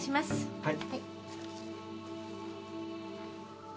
はい。